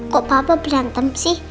kok papa berantem sih